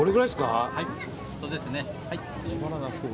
そうですね、はい。